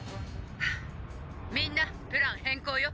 「ハァみんなプラン変更よ。